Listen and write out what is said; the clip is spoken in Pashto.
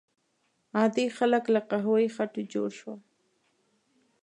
عادي خلک له قهوه یي خټو جوړ شول.